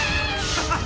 ハハハハ！